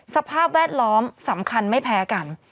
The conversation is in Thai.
สภาพแวดล้อมสำคัญไม่แพ้กัน